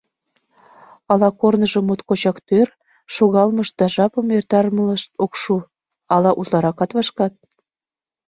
Ала корныжо моткочак тӧр, шогалмышт да жапым эртарылмышт ок шу, ала утларакат вашкат.